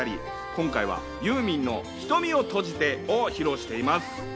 今回はユーミンの『瞳を閉じて』を披露しています。